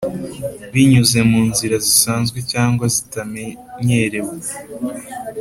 Binyuze mu nzira zisanzwe cyangwa zitamenyerewe